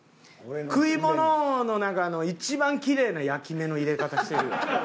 食い物の中の一番きれいな焼き目の入れ方してるわ。